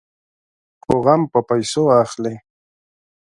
خو غم په پيسو اخلي.